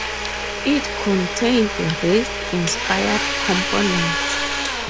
It contained race-inspired components.